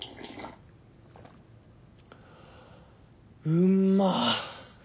うんまっ。